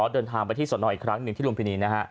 เดินทางไปที่สนอีกครั้งหนึ่งที่ลุมพินีนะฮะ